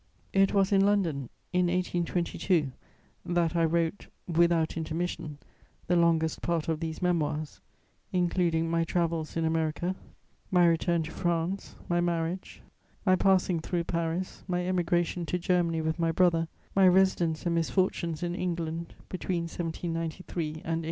It was in London, in 1822, that I wrote, without intermission, the longest part of these Memoirs, including my travels in America, my return to France, my marriage, my passing through Paris, my emigration to Germany with my brother, my residence and misfortunes in England between 1793 and 1800.